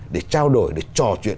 để trao đổi để trò chuyện